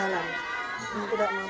kita nggak ingin mereka kekurangan juga ya